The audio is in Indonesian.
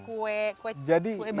oh udah dong